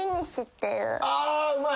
あうまい！